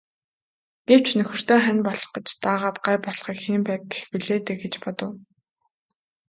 Гэвч нөхөртөө хань болох гэж дагаад гай болохыг хэн байг гэх билээ гэж бодов.